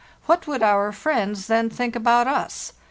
What would our friends then think about us?